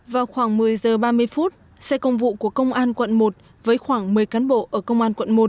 vào khoảng một mươi giờ ba mươi phút xe công vụ của công an quận một với khoảng một mươi cán bộ ở công an quận một